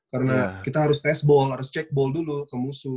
karena kita harus test ball harus check ball dulu ke musuh